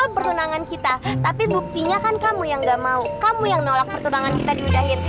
perundangan kita tapi buktinya kan kamu yang gak mau kamu yang nolak pertunangan kita diudahin